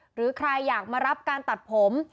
หรือใครอยากมารับการตัดผม